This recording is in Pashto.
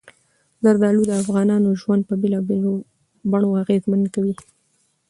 زردالو د افغانانو ژوند په بېلابېلو بڼو اغېزمن کوي.